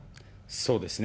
そうですね。